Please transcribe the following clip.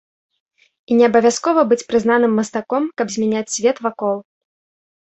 І не абавязкова быць прызнаным мастаком, каб змяняць свет вакол.